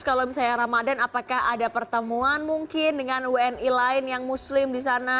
kalau misalnya ramadan apakah ada pertemuan mungkin dengan wni lain yang muslim di sana